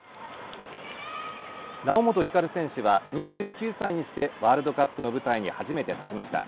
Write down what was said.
猶本光選手は２９歳にしてワールドカップの舞台に立ちました。